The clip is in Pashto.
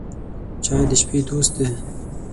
چای د شپې دوست دی.